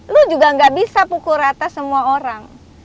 lu juga gak bisa pukul rata semua orang